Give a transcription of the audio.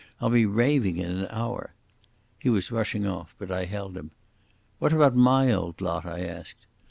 I'll be raving in an hour." He was rushing off, but I held him. "What about my old lot?" I asked.